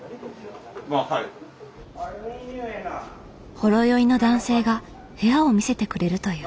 ほろ酔いの男性が部屋を見せてくれるという。